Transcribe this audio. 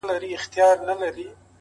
زړورتیا د وېرو د ماتولو لومړی قدم دی